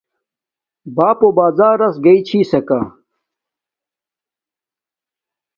بݳپݸ بݳزݳرَس گݵئ چھݵسَکݳ.